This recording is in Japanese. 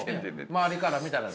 周りから見たら。